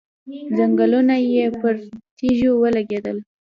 ځنګنونه يې پر تيږو ولګېدل.